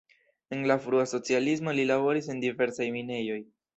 En la frua socialismo li laboris en diversaj minejoj.